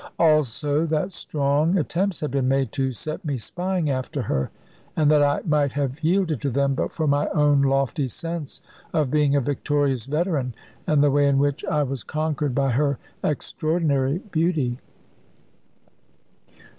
Also that strong attempts had been made to set me spying after her, and that I might have yielded to them, but for my own lofty sense of being a victorious veteran, and the way in which I was conquered by her extraordinary beauty.